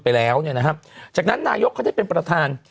ไปแล้วนะฮะจากนั้นนาโยคเขาได้เป็นประธาน